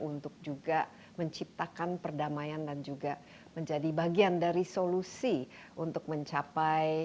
untuk juga menciptakan perdamaian dan juga menjadi bagian dari solusi untuk mencapai